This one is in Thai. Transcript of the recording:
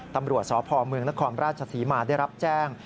ตำรวจสพเมืองนครราชศรีมาได้รับแจ้ง